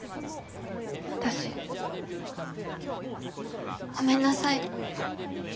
私ごめんなさい。